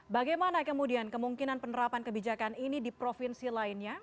bagaimana kemudian kemungkinan penerapan kebijakan ini di provinsi lainnya